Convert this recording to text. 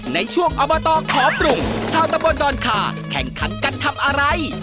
ในช่วงอบตขอปรุงชาวตะบนดอนคาแข่งขันกันทำอะไร